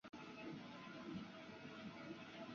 各媒体也有把两人作出比较。